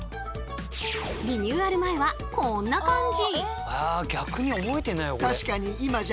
リニューアル前はこんな感じ。